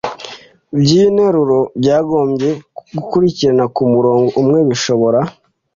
by’interuro byakagombye gukurikirana ku murongo umwe bishobora